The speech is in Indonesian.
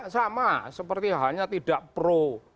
sama seperti hanya tidak pro